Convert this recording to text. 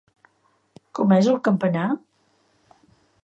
Com és el campanar?